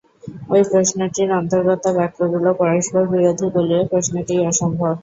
ঐ প্রশ্নটির অন্তর্গত বাক্যগুলি পরস্পর-বিরোধী বলিয়া প্রশ্নটিই অসম্ভব।